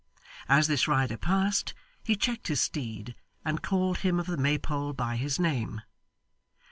As this rider passed, he checked his steed, and called him of the Maypole by his name.